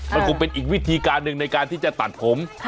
มันคงเป็นอีกวิธีการหนึ่งในการที่จะตัดผม